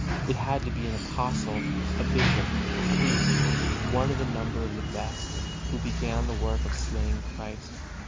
It had to be an apostle, a bishop, a priest, one of the number of the best, who began the work of slaying Christ.